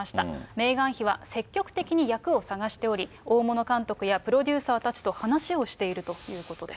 メーガン妃は積極的に役を探しており、大物監督やプロデューサーたちと話をしているということです。